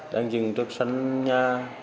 đang dừng trước sân nhà